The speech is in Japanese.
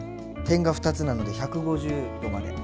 点が２つなので１５０℃まで。